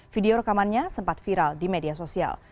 video rekamannya sempat viral di media sosial